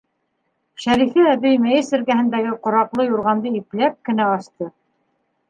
Шәрифә әбей мейес эргәһендәге ҡораҡлы юрғанды ипләп кенә асты.